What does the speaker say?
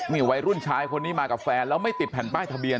นี่วัยรุ่นชายคนนี้มากับแฟนแล้วไม่ติดแผ่นป้ายทะเบียน